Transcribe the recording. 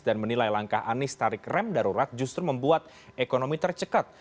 dan menilai langkah anies tarik rem darurat justru membuat ekonomi tercekat